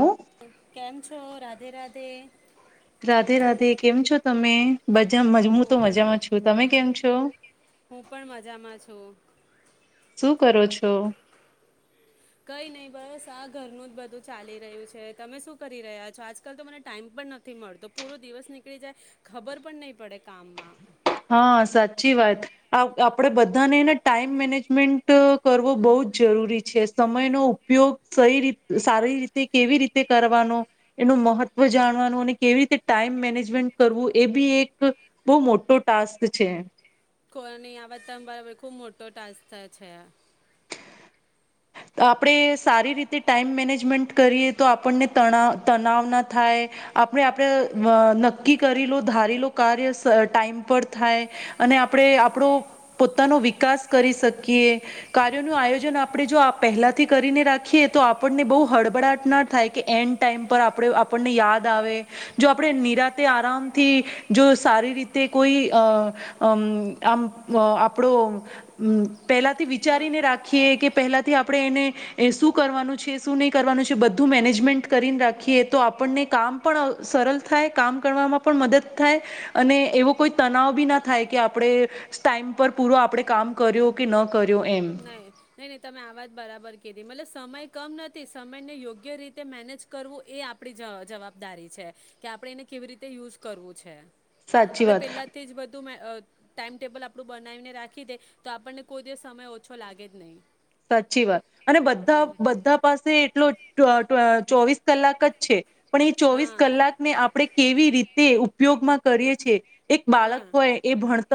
હ કેમ છો. તો રાધે રાધે રાધે રાધે કેમ છો તમે બ હું તો મજામાં છું તમે કેમ છો. છ. હું પણ મજામાં છું. શું કરો છો. કઈ નઈ બસ આ ઘરનું જ બધું ચાલી રહ્યું છે તમે શું કરી રહ્યા છો આજકાલ તો મને ટાઈમ પણ નથી મળતો પૂરો દિવસ નીકળી જાય ખબર પણ નહી પડે કામમાં હા સાચી વાત આપણેે બધાનેને ટાઈમ મેનેજમેન્ટ કરવો બહુ જ જરૂરી છે સમયનો ઉપયોગ સઈ રી સારી રીતે કેવી રીતે કરવાનો એનું મહત્વ જાણવાનું અને કેવી રીતે ટાઈમ મેનેજમેન્ટ કરવું એ બી એક બહુ મોટો ટાસ્ક છે. કોઈની આ હ ખુબ મોટો ટાસ્ થ છે. આપણે સારી રીતે ટાઈમ મેનેજમેન્ટ કરીએ તો આપણને તણ તણવ ના થાય, આપણે આપણે નક્કી કરીલો ધારેલો કાર્ય ટાઈમ પર થાય, અને આપણે આપણો પોતાનો વિકાસ કરી શકીએ કાર્યોનું આયોજન આપણે જો પહેલાંથી કરીને રાખીએ તો આપણને બહુ હળબળટના થાય કે એન્ડ ટાઈમ પર આપણે આપણને યાદ આવે જો આપણે નિરાતે આરામથી જો સારી રીતે કોઈ આમ આપણો પેલાથી હા વિચારીને રાખીએ કે પહેલા. થી આપણે એને શું કરવાનું છે શું નહીં કરવાનું છે બધું મેનેજમેન્ટ કરીને રાખીએ તો આપણને કામ પણ સરળ થાય કામ કરવામાં પણ મદદ થાય અને એવો કોઈ તનાવ બી ના થાય કે આપણે ટાઈમ પર પૂરો આપણે કામ કર્યો કે ન કર્યો એમ નહી નહી નહી તમે આવાજ બરાબર કીધી મતલલે સમય કમ નથી સમય ને યોગ્ય રીતે મેનેજ કરવું એ આપડી જવાબદારી છે કે આપડે એને કેવી રીતે યુઝ કરવું છે. સાચી આપડે વાત પેલા થી જ બધું મે અ ટાાઈમટેબલ આપણું બનાવીને રાખી દે તો આપણને કોઈ દિવ સમય છો લાગે જ નહીં. સાચી વાત અને બધા હા બધા પાસે એટલો [inaudible] ચોવીસ કલાક જ છે. પણ એ ચોવીસ હા કલાકને આપણે કેવી રીતે તે ઉપયોગમાં કરીએ છે. એક બાળક હા હોય એ ભણ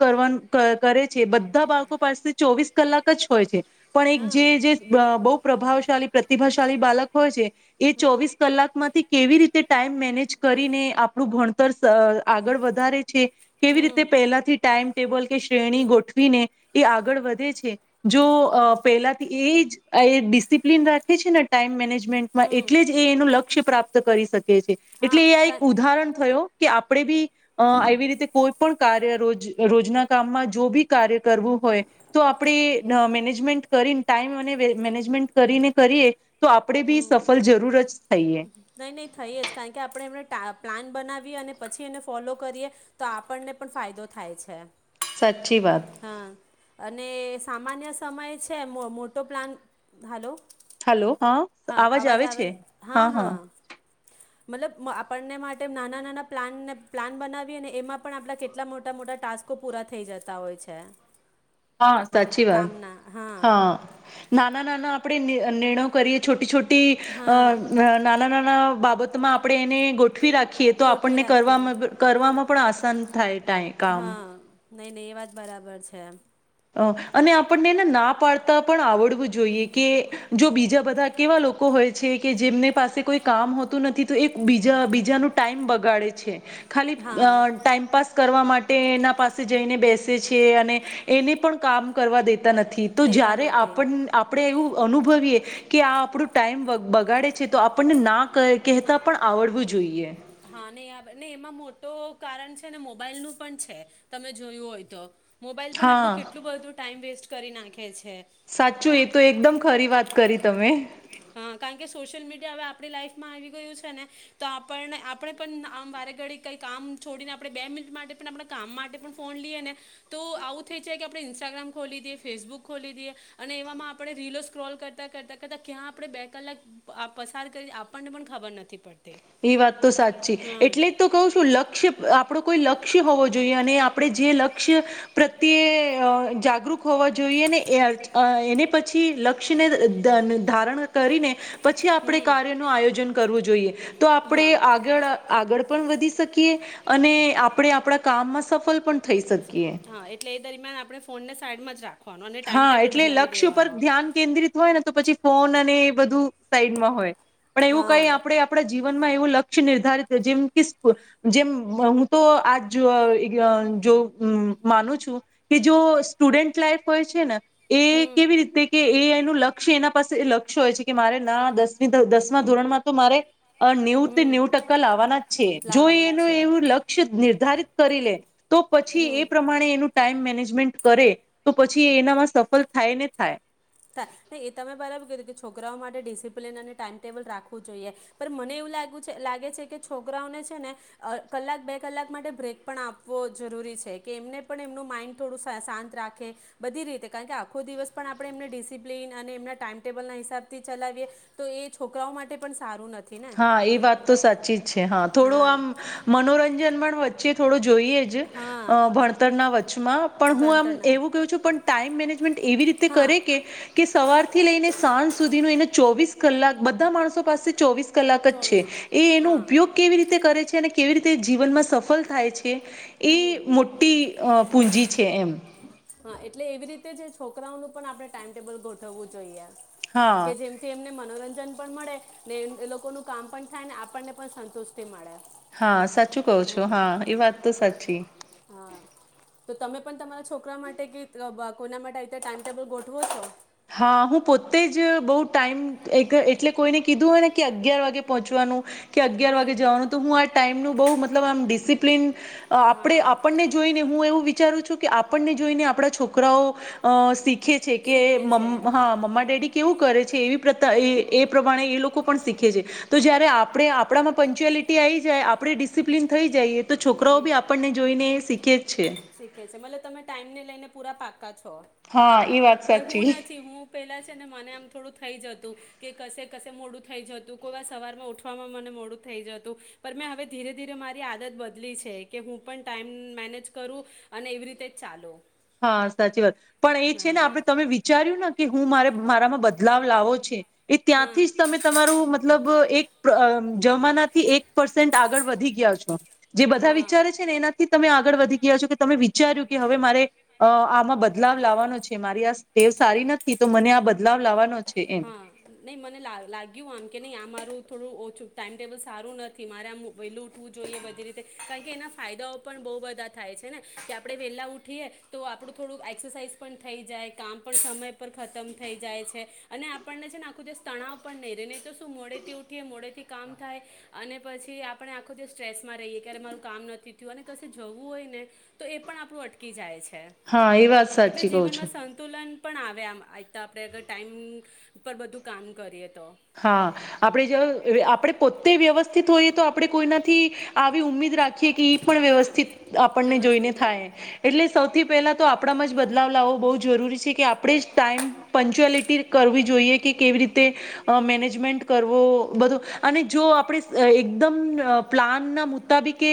કરવા કરે છે બધા બાળકો પાસે ચોવીસ કલાક જ હોય છે. પણ એક હા જે બહુ પ્રભાવશાળલી પ્રતિભાશાળી બાલક હોય છે. એ હમ ચોવીસ કલાક માંથી કેવી રીતે ટાઈમ મેનેજ કરીને આપ આપું ભણતર આગળ વધારે કેવી હમ રીતે પહેલાથી ટાઈમ ટેબલ કે શ્રેણી ગોઠવીને એ આગળ વધે છે જો અ પેલાથી એ જ ડિસિપ્લિન રાખે છે ને ટાઈમ મેનેજ ન્ટમાં હમ એટલે જ એનું લક્ષ્ય પ્રાપ્ત કરી શકે હા એટલે એ આ કા એક ઉદાહરણ થયું. કે આપણે બી આવી રીતે કોઈ પણ કાર્ય રોજ રોજના કામમાં જો બી કાર્ય કરવું હોય તો આપણે મેને મેનેજ કરીને ટાઈમ અને મેનેજમેન્ટ કરીને કરી એ તો આપણેે બી હમ સફળ જરૂર જ થઈએ. નહીં નહીં થઈએ જ કારણ કે આપણે એમને પ્લાન બનાવીએ અને પછી એને ફોલો કરીએ તો આપણને પણ ફાયદો થાય છે. સાચી વાત હા અને સામાન્ય સમય છે મોટો પ્લાન હલો હલો હા અવાજ આવે છે હ હા હ હા મતલબ આપણને માટે નાના નાના પ્લાનને પ્લાન બનાવી અને એમાં પણ આપણા કેટલા મોટા મોટા ટાસ્કો પૂરા થઈ જતા હોય છે હા સાચી વાત કામના હા હા નાના નાના આપણે નિર્ણયો કરીએ છોટી છોટી તી અ હા નાના નાના બાપ બબતમાં આપણે એને ગ ગઠવી રાખીએ તો ગોઠવી આપણને રાખીએ કરવામાં કરવામાં પણ આસાન થાય ટાઈ કામ નહી નહી એ વાત બરાબર છે અને આપણને એને ના પાડતા પણ આવડવું જોઈએ કે જો બીજા બધા કેવા લોકો હોય છે કે જેમને પાસે કોઈ કામ હોતું નથી તો એ બીજા બીજાનું ટાઈમ બગાડે છે ખાલી હા ટાઈમપાસ કરવા માટે એના પાસે જઈને બેસે છે અને એને પણ કામ કરવા દે તા નથી તો દેતા જયયારે નથી આપણે એવું અનુભવીએ કે આ આપણું ટાઈમ બગાડે છે તો આપણને ના કહેતા પણ આવડવું જોઈએ હા ને આ ને એમાં મોટું કારણ છે ને મોબાઈલ નું પણ છે તમે જોયું હોય તો મોબાઈલ પણ હા આપણું કેટલું બધું ટાઈમ વેસ્ટ કરી નાખે છે સાચું હા એ તો એકદમ ખરી વાત કરી તમે હા કારણ કે સોશિયલ મીડિયા હવે આપણી લાઈઇફમાં આવી ગયું છે ને તો આપણને આપણે પણ આમ વારે ઘડી કઈ કામ છોડીને આપણે બે મિનિટ માટે પણ આપણા કામ માટે પણ ફોન લઈએ ને તો આવું થઈ જાય કે આપણે ઇન્સ્ટાગ્રામ ખોલી દઈએ ફેસબુક ખોલી દઈએ અને એવામાં આપણે રીલો સ્ક્રોલ કરતાં કરતાં કરતા ક્યાં આપણે બે કલાક પસાર કરી આપણને પણ ખબર નથી પડતી એ વાત તો સાચી હમ એટલે તો કહું છું લક્ષ્ય આપડું કોઈ લક્ષ્ય હોવું જોઈએ અને આપણે જે લક્ષ્ય પ્રત્યે જાગૃત હોવા જોઈએ ને એને પછી લક્ષ્યને ધારણ કરીને પછી આપણે હમ કાર્ય નો આયોજન કરવું જોઈએ આપે હા આગળ આગળ પણ વધી શકીએ અને આપણે આપણા કામમાં સફળ પણ થઈ શકીએ હા એટલે એ દરમિયાન આપડણે ફોન ને સાઈડ માં જ રાખવાનો અને ટાઈમ હા ટેબલ એટલે બનાવી લક્ષ્ય ઉપર દેવાનો ધ્યાન કેન્દ્રિત હોય ને તો પછી ફોન અને બધું સાઈડમાં હોય પણ એવું હા કઈ આપે આપડે જીવનમાં એવું લક્ષ્ય નિર્ધારિત જેમ કે જેમ હું તો આજ માનું છું કે જ જો સ્ટુડન્ટ લાઈફ હોય છે ન એ હમ કેવી રીતે કે એ એને લક્ષ્ય એના પાસે લક્ષ્ય હોય છે કે મારે ના દસી દસમા ધોરણમાં તો મારે નેવું હમ નેવું ટકા લાવવાના જ છે જો એ લાવવાના જ એનું છે એવું લક્ષ્ય નિર્ધારિત કરી લે તો પછી હમ એ પ્રમાણે એનું ટાઈમ મેનેજમેન્ટ કરે તો પછી એનામાં સફળ થાય ને થાય. હ એ તમે બરાબું કે છોક છોકરાઓ માટે ડિસિપ્લન અને ટાાઈમ ટેબલ રાખવું જોઈએ પણ મને એવુંાગ લાગે છે કે છોકરાઓને છે ને કલાક બે કલાક માટે બ્રેક પણ આપવો જરૂરી છે કે એમને પણ એમનું માઇન્ડ થોડું શાંત રાખે બધી રીતે કારણ કે આખો દિવસ પણ આપણે એમને ડિસિપ્લન અને એમના ટાઈમ ટેબલના હિસાબ થી ચલાવીએ તો એ છોકરાઓ માટે પણ સારું નથી. ને હા એ વાત તો સાચી જ છે હા થોડું આમ મનોરંજન પણ વચ્ચે થોડો જોઈએ જ હા ભણતરના વચચમાં પણ હું આમ ભણતરના એવું કું છું પણ ટાઈમ મેનેજમેન્ટ એવી રીતે હા કરે કે સવારથી લઈને સાંજ સુધીનું એને ચોવીસ કલાક બધા માણસો પાસે ચોવીસ કલાક જ છે ચોવીસ એ એનો હા ઉપયોગ કેવી રીતે કરે છે અને કેવી રીતે જીવનમાં સફળ થાય છે. એ હમ મોટી પૂજી છે એમ હા એટલે એવી રીતે જે છોકરાઓનું પણ આપણે ટાઈમ ટેબલ ગોઠવવું જોઈએ. હા કે જેમ કે એમને મનોરંજન પણ મળે ને એ લોકો ન કામ પણ થાય ને આપણને પણ સંતુષ્ટિ મળે. હા સાચું કહું છું હમ હા એ વાત તો સાચી હા તો તમે પણ તમારા છોકરા માટે કે કોઈના માટે અત્યારે ટાઈમટેબલ ગોઠવો છો હા હું પોતે જ બહુ ટાઈમ એક એટલે કોઈને કીધું હોય ને કે અગિયાર વાગે પહોંચવાનું કે અગિયાર વાગે હમ જવાનું તો હું આ ટાઈમનું બહુ મતલબ આમ ડિસિપ્લિન આપે હા આપણને જોઈને હું એવું વિ વિચારું છું કે આપણને જોઈને આપણા છોકરાઓ છે કે શીખે છે હા [unintelligible] કેવું કરે છે પ્રમાણે એ લોકો પણ શીખે છે તો જારે આપ આપણામાં પંચુલટી આવી જાય આપણે ડિસિપ્લન થઈ જાયે તો છોકરાઓ હમ બી આપણને જોઈને શીખે જ છે શીખે છે મતલબ તમે ટાઈમને લઈને પૂરા પાકા જો હા એ વાત સાચી. હું પેલા ને મને આમ થોડું થઈ જતું કે કશે કશે મોડું થઈ જતું કોઈ વાર સવાર માં ઉઠવામાં મને મોડું થઈ જતું પણ મેં હવે ધીરે ધીરે મારી આદત બ બદલી છે કે હું પણ ટાઈમ મેનેજ કરું અને એવી રીતે જ ચાલુ હા સાચી વાત. પણ એ છે ને હા આપડે તમે વિચાર્યું ને કે હું મારે મારામાં બદલાવ લાવો છે. એ હા ત્યાંથી જ તમે તમારું મતલબ એક જમાનાથી એક પર્સેન્ટ આગળ વધી ગયા છો. જે બધા હા વિચારે છે ને એનાથી તમે આ આગળ વધી ગયા છો કે તમે વી વિચાર્યું કે હવે મારે અ આમાં બદલાવ લાવવાનો છે મારી આ ટેવ સારી નથી તો મને આ બદલાવ લાવવાનો છે એમ હા નઈ મને લાગ્યું આમ કે નહી આ આમારું થોડું ઓછું ટાઈમ ટેબલ સારું નથી મારે આમ વહેલું ઉઠવું જોઈએ બધી રીતે કારણ કે એના ફાયદાઓ પણ બહુ બધા થાય છે ને કે આપણે વહેલા ઊઠીએ તો આપણું થોડુંક એક્સરસાાઈઝ પણ થઈ જાય કામ પણ સમય પર ખતમ થઈ જાય છે. અને આપણને છે ને આખું જે તણાવ પણ નહી રહે નહી તો શુ મોડેથી ઉઠી મોડેથી કામ થાય અને પછી આપણે આખું દિવસ સ્ટ્રેસમાં રહીએ ક્યારે મારું કામ નથી થયું અને કશે જવું હોય ને તો એ પણ આપણું અટકી જાય છે. હા એ વાત એટલે સાચી કહું જીવનમાં છું. સંતુલન પણ આવે આમ એકત્યર આપણે આગર ટાઈમ પર બધું કામ કરીયે હા આપણે જો આપેડે જો પોતે વ્યવ તજિસ હોઈ તો આપણે કોઈનાથી આવી ઉમિદ રા પણ હા વ્યવસ્થિત આપણને જોઈને વ્યવસ્થિત રહી થાય એટલે સૌથી પહેલા તો આપણામાં જ બદલાવ લાવો બો જરૂરી છે કે આપણે જ ટાઈમ પંચ્યુઅલિટી કરવી જોઈએ કે કેવી રીતે મેનેજમેન્ટ કરવો બધું અને જો આપણે એકદમ પ્લાનના મુતાબિકે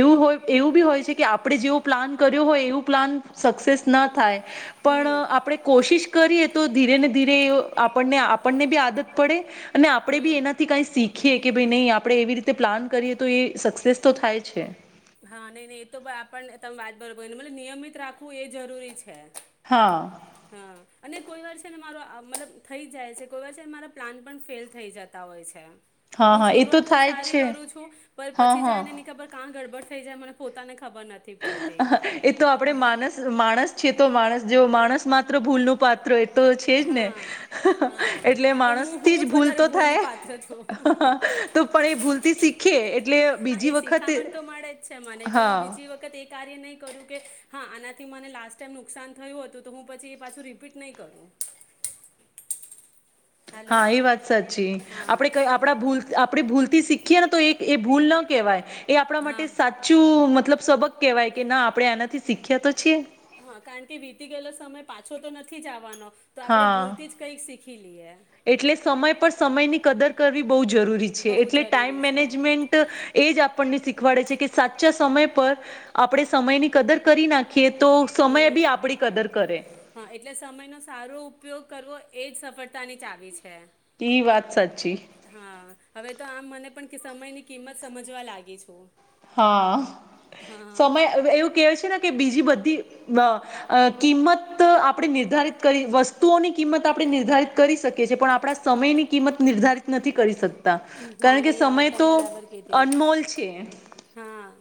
એવું હોય એવું બી હોય છે કે આપણે જેવો પ્લાન કર્યો હોય એવું પ્લાન સક્સેસ ન થાય પણ હમ આપણેે કોશિશ કરીએ તો ધીરે ને ધીરે આપણને આપણને બી આદત પડે અને આપણે બી હમ એનાથી કઈ શીખીએ. કે ભાઈ નહી આપડણે એવી રીતે પ્લાન કરીએ તો એ સક્સેસ તો થાય છે. હા નહી નહી એ તો આપ તમે વાત બરોબર નિયમિત રાખવું એ જરૂરી છે. હા હા અને કોઈ વાર છે ને મારો મતલબ થઈ જાય છે કોઈ વાર છેને મારા પ્લાન પણ ફેલ થતા હોય છે. હા હું હા એ શરૂઆત તો થાય જ સારી છે કરું છું પણ હા પછી હા જાયને ની ખબર કા ગડબડ થઈ જાય મને પોતાને ખબર નથી પડતી એ તો આપણેે માણસ માણસ છે તો માણસ જેવો માણસ માત્ર ભૂલનું પાત્ર તો છે જ ને હા હા એટલે તો માણસ હું થી હું જ ભૂલ વધારે તો ભૂલની થાય પાત્ર છું તો પણ એ ભૂલ થી શીખ [inaudible] હા એ શિખામણ તો મળે જ છે મને એટલે હું હા બીજી વખત એક ક્યારે ની કરું કે હા આનાથી મને લાસ્ટ ટાઈમ નુકસાન થયું હતું તો હું પછી પાછું રિપીટ ન કરું હલો હા એ વાત સાચી હા આપણે ક આપણા ભૂલ આપણે ભૂલતી થી શીખે તો એક એ ભૂલ ના કહેવાય એ આપણા હા માટે સાચું મતલબ સબક કહેવાય કે ના આપણે આનાથી શીખ્યા તો છીએ હા કારણ કે વીતી ગયેલો સમય પાછો તો નથી જ આવાનો તો આપણે હા ભૂલથી જ કંઈક શીખી લઈએ એટલે સમય પર સમય ની કદર કરવી બો જરૂરી છે બહુ એટલે ટાઈમ જરૂરી છે મેનેજમેન્ટ એ જ આપણ વાડે છે કે સાચા સમય પર આપણે સમયની કદર કરી નાખી કે તો સમય બી હમ આપડી કદર કરે હા એટલે સમયનો સારો ઉપયોગ કરવો એ જ સફળતાની ચાવી છે ઈ વાત સાચી હા હવે તો આમ મને પણ સમયની કિંમત સમજવા લાગી છે હા, સમય એવું કેવા છે ને કે બીજી બધી બ કિંમત આપણે નિર્ધારિત કરી વસ્તુઓની કિંમત આપણે નિર્ધારિત કરી શકીએ છીએ, પણ આપણા સમયની કિંમત નિર્ધારિત નથી કરી શકતા, હા કારણ કે નહીં આ વાત સમય તમે તો બરાબર કીધી અનમોલ છે. હા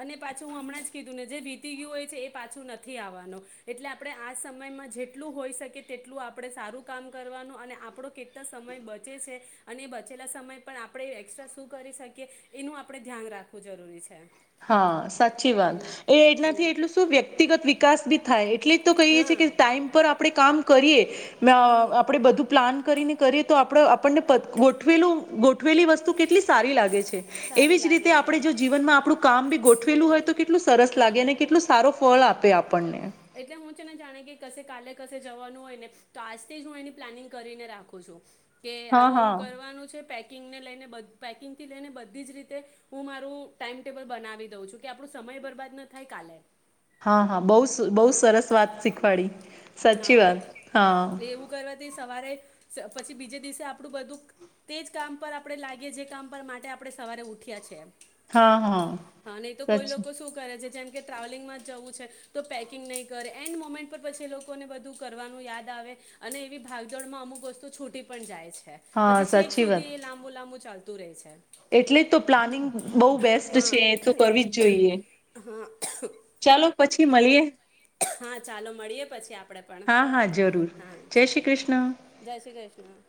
અને પાછું હું હમણાં જ કીધું ને જે વીતી ગયું હોય છે એ પાછું નથી આવવાનું, એટલે આપણે આ સમયમાં જેટલું હોઈ શકે તેટલું આપણે સારું કામ કરવાનું અને આપણો કેટલો સમય બચે છે. અને બચેલા સમયે પણ આપણે એસ્ટ્રા શું કરી શકીએ, એનું આપણે ધ્યાન રાખવું જરૂરી છે. હા સાચી વાત, હમ એ એટનાથી હમ એટલું શું વ્યક્તિગત વિકાસ બી થાય. એટલી જ તો કહીએ છીએ હા કે ટાઈમ પર આપણે કામ કરીએ. મે હમ આપણે બધું પ્લાન કરીને કરીએ તો આપ આપણને ગોઠવેલું ગ ઉઠવેલી વસ્તુ કેટલી સારી લાગે છે, સારી એવી જ રીતે લાગે છે આપણે જો જીવનમાં આપણું આ બી ગોઠવેલું હોય તો કેટલું સરસ હા લાગે અને કેટલું સારો ફળ આપે આપણને એટલે હું છે ને જાણે કે ક કાલે ક જવાનું હોય ને તો આજથી જ હું એની પ્લાનિંગ કરીને રાખું છું. કે હા આવું હા આવું કરવાનું છે પેકિંગને લઈને બધ પેકિંગ થી લઈને બધી જ રીતે હું મારું ટાઈમટેબલ બનાવી દઉં છું કે આપણું સમય બરબાદ ન થાય કાલે હા હા બ બહુ હા સરસ વાત શીખવાડી. સાચી હા વાત હા એવું કરવાથી સવારે પછી બીજે દિવસે આપણું બધું તે જ કામ પર આપણે લાગીએ જે કામ પર માટે આપણે સવારે ઉઠ્યા છી એમ હા હા હા નહી તો કોઈ સાચી લોકો શું કરે છે જેમ ટ્રાવેલિંગમાં જવું છે તો પેકિંગ નહી કરે એન્ડ મોમેન્ટ પર પછી લોકોને બધું કરવાનું યાદ આવે અને એવી ભાગજોડ માં અમુક વસ્તુ છૂટી પણ જાય છે. હા પછી છેક સાચી વાત સુધી એ લાંબુ લાંબુ ચાલ દૂર છે. એટલે જ તો પ્લાનિંગ બહુ બેસ્ટ હા છે તો કરવી જ જોઈએ હા ચાલો પછી મળીએે. હા ચાલો મળીએે પછી આપડે પણ હા હા જરૂર હા જય શ્રી ચાલો કૃષ્ણ જય શ્રી કૃષ્ણ.